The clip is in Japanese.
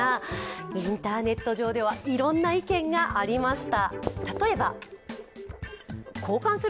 インターネット上では、いろんな意見がありました。